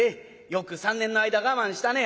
よく３年の間我慢したね」。